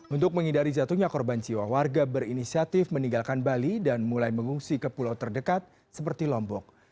untuk menghindari jatuhnya korban jiwa warga berinisiatif meninggalkan bali dan mulai mengungsi ke pulau terdekat seperti lombok